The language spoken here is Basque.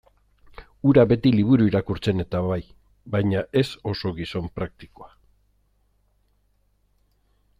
Hura beti liburu irakurtzen-eta bai, baina ez oso gizon praktikoa.